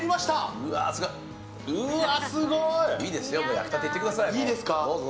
焼きたていってください。